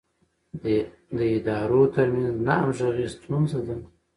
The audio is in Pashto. د ادارو ترمنځ نه همغږي ستونزه ده.